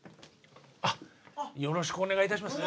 あっよろしくお願いいたします。